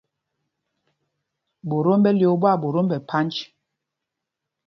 Ɓotōm ɓɛ lyōō ɓwâɓotōm ɓɛ phanj.